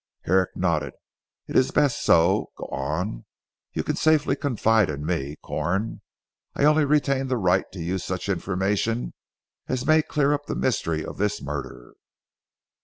Herrick nodded, "it is best so. Go on. You can safely confide in me, Corn. I only retain the right to use such information as may clear up the mystery of this murder."